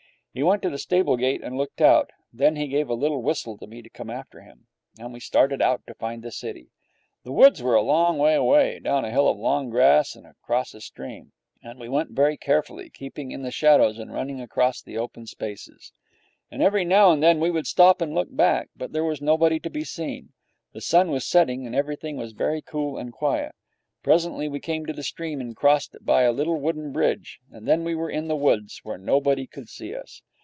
He went to the stable gate and looked out. Then he gave a little whistle to me to come after him. And we started out to find the city. The woods were a long way away, down a hill of long grass and across a stream; and we went very carefully, keeping in the shadows and running across the open spaces. And every now and then we would stop and look back, but there was nobody to be seen. The sun was setting, and everything was very cool and quiet. Presently we came to the stream and crossed it by a little wooden bridge, and then we were in the woods, where nobody could see us.